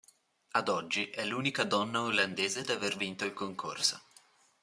Ad oggi è l'unica donna olandese ad aver vinto il concorso.